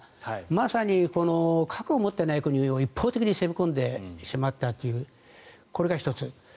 まさに核を持っていない国に一方的に攻め込んでしまったというこれが１つ。